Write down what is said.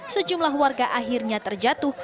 sejumlah warga akhirnya terjatuh